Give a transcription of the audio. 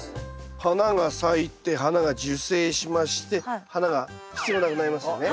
花が咲いて花が受精しまして花が必要なくなりますよね。